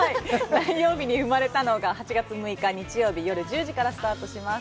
「何曜日に生まれたの」が８月６日、日曜日、夜１０時からスタートします。